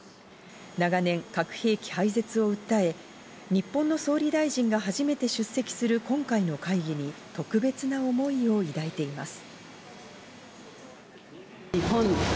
長年、核兵器廃絶を訴え、日本の総理大臣が初めて出席する今回の会議に特別な思いを抱いています。